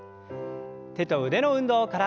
手と腕の運動から。